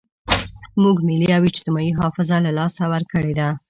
موږ ملي او اجتماعي حافظه له لاسه ورکړې ده.